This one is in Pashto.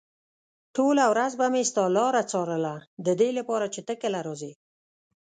ټوله ورځ به مې ستا لاره څارله ددې لپاره چې ته کله راځې.